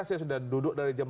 saya sudah duduk dari jam